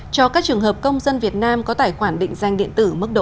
cho các trường hợp công dân việt nam có tài khoản định danh điện tử mức độ ba